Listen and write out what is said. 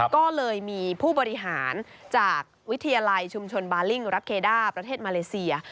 ก็เลยมีผู้บริหารจากวิทยาลัยชุมชนบาลิ่งรับเคด้าประเทศมาเลเซีย